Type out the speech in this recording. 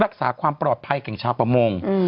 รักษาความปลอดภัยของชาวประมง